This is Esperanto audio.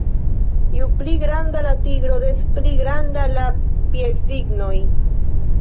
Ju pli granda la tigro, des pli grandaj la piedsignoj.